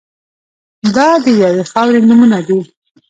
دا د یوې خاورې نومونه دي.